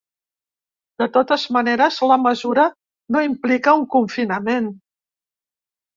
De totes maneres, la mesura no implica un confinament.